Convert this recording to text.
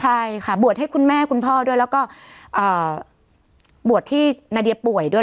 ใช่ค่ะบวชให้คุณแม่คุณพ่อด้วยแล้วก็บวชที่นาเดียป่วยด้วย